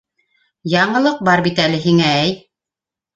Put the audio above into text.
Яңылыҡ бар бит әле һиңә, әй!